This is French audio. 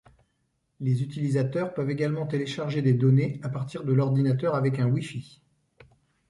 Les utilisateurs peuvent également télécharger des données à partir de l'ordinateur avec un Wi-Fi.